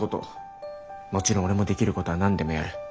もちろん俺もできることは何でもやる。